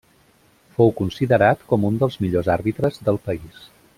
Fou considerat com un dels millors àrbitres del país.